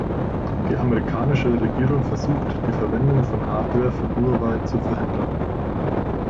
Die amerikanische Regierung versucht, die Verwendung von Hardware von Huawei zu verhindern.